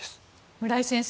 村井先生